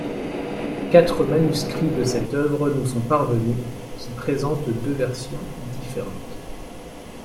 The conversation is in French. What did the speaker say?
Quatre manuscrits de cette œuvre nous sont parvenus qui présentent deux versions différentes.